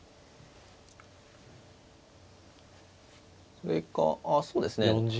それかあそうですね